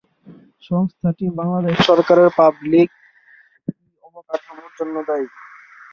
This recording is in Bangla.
সংস্থাটি বাংলাদেশ সরকারের পাবলিক কি অবকাঠামোর জন্য দায়ী।